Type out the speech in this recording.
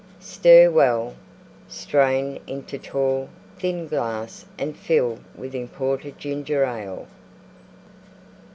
Stir well; strain into tall, thin glass and fill with imported Ginger Ale.